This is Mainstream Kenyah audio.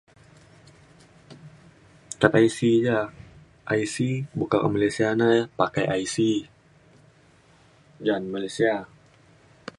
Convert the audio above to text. kad IC ja, IC boka un Malaysia ne pakai IC ja anun Malaysia.